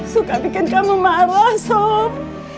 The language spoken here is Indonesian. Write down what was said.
suka bikin kamu marah sob